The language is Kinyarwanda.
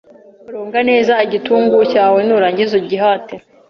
Ronga neza igitungu cyawe nurangiza ugihate.